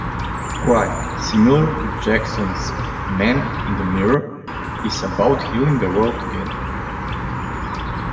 "Cry", similar to Jackson's "Man in the Mirror", is about healing the world together.